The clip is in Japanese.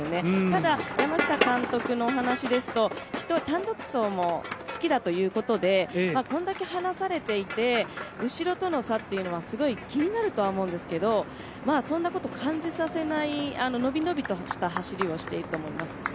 ただ山下監督の話ですと単独走も好きだということで、これだけ離されていて、後ろとの差というのはすごい気になるとは思うんですけどそんなこと感じさせない伸び伸びとした走りをしていると思います。